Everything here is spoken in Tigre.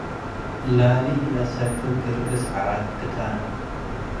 ላሊ ኢለአሰክብ - ግርግስ ዐራት ክታን